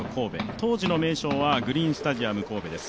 当時の名称はグリーンスタジアム神戸です。